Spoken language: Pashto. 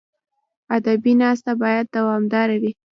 ادبي ناسته باید دوامداره وي.